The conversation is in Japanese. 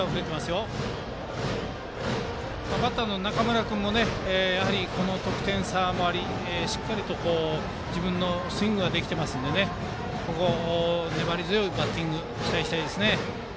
やはり、バッターの中村君もこの得点差もありしっかりと自分のスイングができていますのでここは、粘り強いバッティングに期待したいです。